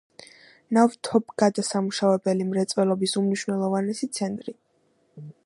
ნავთობგადასამუშავებელი მრეწველობის უმნიშვნელოვანესი ცენტრი.